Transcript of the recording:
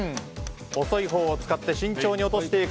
細いほうを使って慎重に落としていく。